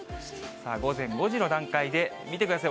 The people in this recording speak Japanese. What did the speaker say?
午前５時の段階で、見てください。